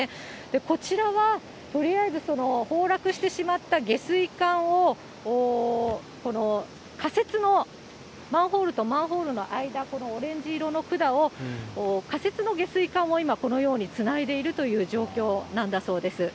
こちらは、とりあえず崩落してしまった下水管を、この仮設の、マンホールとマンホールの間、このオレンジ色の管を、仮設の下水管を今、このようにつないでいるという状況なんだそうです。